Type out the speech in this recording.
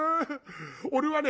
俺はね